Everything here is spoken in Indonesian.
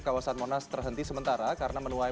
kawasan monas terhenti sementara karena menuai